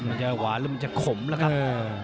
มันจะหวานแล้วมันจะขมละครับ